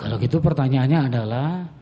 kalau gitu pertanyaannya adalah